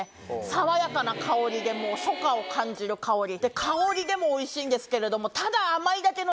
爽やかな香りでもう初夏を感じる香り。